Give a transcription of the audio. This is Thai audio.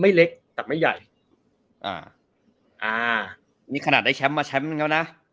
ไม่เล็กแต่ไม่ใหญ่อ่ะนี่ขณะได้แชมป์มาแชมป์แล้วนะ